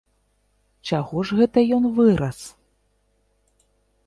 Чаго ж гэта ён вырас?